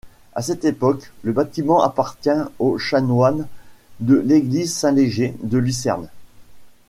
À cette époque, le bâtiment appartient aux chanoines de l'église Saint-Léger de Lucerne.